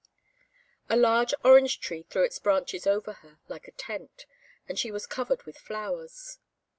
A large orange tree threw its branches over her like a tent, and she was covered with flowers.